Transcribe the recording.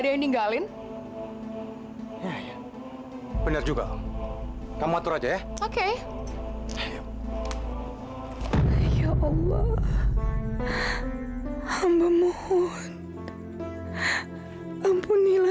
sampai jumpa di video selanjutnya